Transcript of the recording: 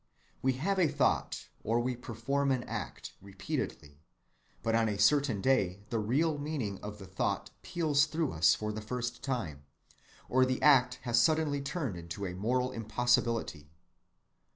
We have a thought, or we perform an act, repeatedly, but on a certain day the real meaning of the thought peals through us for the first time, or the act has suddenly turned into a moral impossibility.